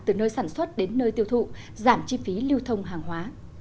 từ nơi sản xuất đến nơi tiêu thụ giảm chi phí lưu thông hàng hóa